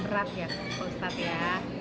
berat ya pak ustadz ya